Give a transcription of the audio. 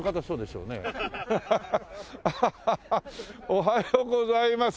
おはようございます。